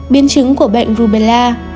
biên chứng của bệnh rubella